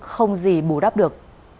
không gì bù đắp được